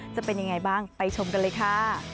จะเป็นยังไงบ้างไปชมกันเลยค่ะ